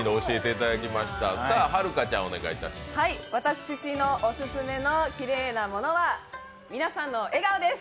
私のオススメのキレイなものは皆さんの笑顔です。